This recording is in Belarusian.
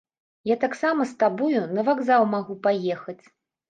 Я таксама з табою на вакзал магу паехаць.